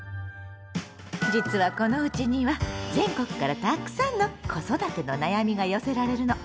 実はこのうちには全国からたくさんの「子育ての悩み」が寄せられるの。